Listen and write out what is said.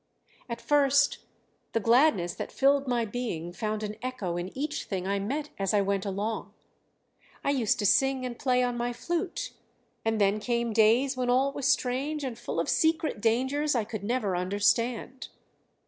"At first the gladness that filled my being found an echo in each thing I met as I went along. I used to sing and play on my flute. And then came days when all was strange and full of secret dangers I could never understand.